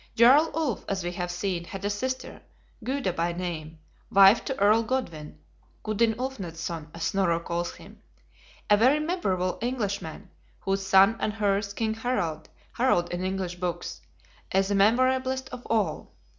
Jarl Ulf, as we have seen, had a sister, Gyda by name, wife to Earl Godwin ("Gudin Ulfnadsson," as Snorro calls him) a very memorable Englishman, whose son and hers, King Harald, Harold in English books, is the memorablest of all.